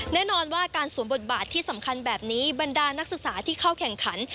แน่นอนว่าการสวมบทบาทที่สำคัญแบบนี้บรรดานักศึกษาที่เข้าแข่งขัน